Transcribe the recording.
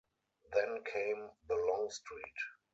Then came the long street.